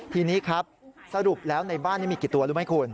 ทีนี้ครับสรุปแล้วในบ้านนี้มีกี่ตัวรู้ไหมคุณ